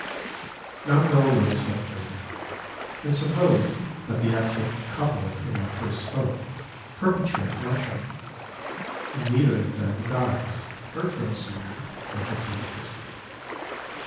Now go a little step further, and suppose that the excellent couple of whom I first spoke perpetrate matrimony, and neither of them dies, or goes mad, or gets into prison.